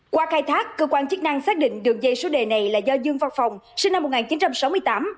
qua khai thác cơ quan chức năng xác định đường dây số đề này là do dương văn phòng sinh năm một nghìn chín trăm sáu mươi tám